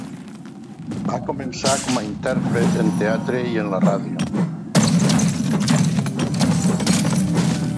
Va començar com a intèrpret en teatre i en la ràdio.